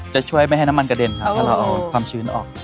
จะช่วยไม่ให้น้ำมันกระเด็นครับถ้าเราเอาความชื้นออก